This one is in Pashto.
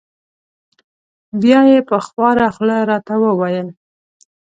بیا یې په خواره خوله را ته و ویل: